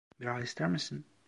Bira ister misin?